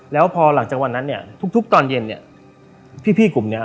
แล้วพอหลังจากวันนั้นเนี่ยทุกตอนเย็นเนี่ยพี่กลุ่มเนี้ย